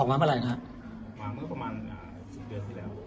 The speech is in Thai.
ออกมาเมื่อไหร่นะฮะออกมาเมื่อประมาณอ่าสิบเดือนที่แล้ว